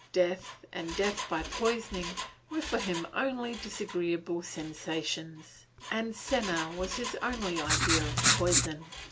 Death, and death by poisoning, were for him only disagreeable sensations, and senna was his only idea of poison.